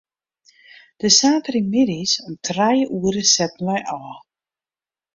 De saterdeitemiddeis om trije oere setten wy ôf.